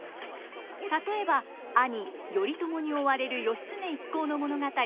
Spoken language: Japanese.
例えば兄頼朝に追われる義経一行の物語